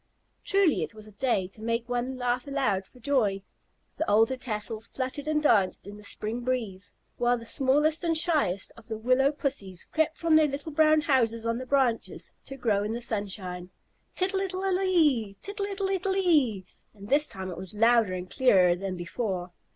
Truly it was a day to make one laugh aloud for joy. The alder tassels fluttered and danced in the spring breeze, while the smallest and shyest of the willow pussies crept from their little brown houses on the branches to grow in the sunshine. [Illustration: THE SWALLOWS ARE COMING.] "Tittle ittle ittle ee! Tittle ittle ittle ee!" And this time it was louder and clearer than before.